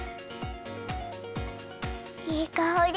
いいかおり！